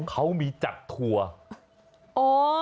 เขามีจัดทัวร์